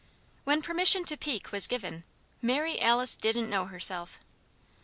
When permission to "peek" was given, Mary Alice didn't know herself.